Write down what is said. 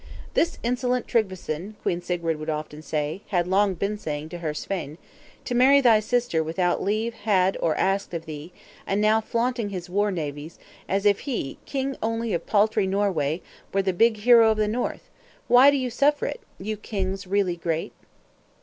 "This insolent Tryggveson," Queen Sigrid would often say, and had long been saying, to her Svein, "to marry thy sister without leave had or asked of thee; and now flaunting forth his war navies, as if he, king only of paltry Norway, were the big hero of the North! Why do you suffer it, you kings really great?"